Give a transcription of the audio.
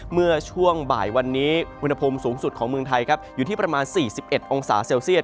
เมื่อช่วงบ่ายวันนี้อุณหภูมิสูงสุดของเมืองไทยครับอยู่ที่ประมาณ๔๑องศาเซลเซียต